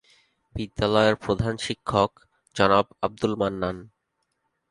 বিদ্যালয়ের প্রধান শিক্ষক জনাব আব্দুল মান্নান।